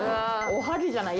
おはぎじゃない？